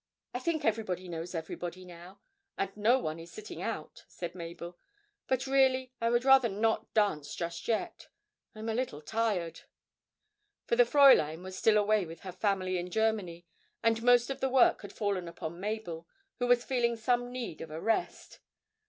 'I think everybody knows everybody now, and no one is sitting out,' said Mabel. 'But really I would rather not dance just yet; I'm a little tired.' For the Fräulein was still away with her family in Germany, and most of the work had fallen upon Mabel, who was feeling some need of a rest.